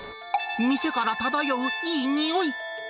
店から漂ういい匂い。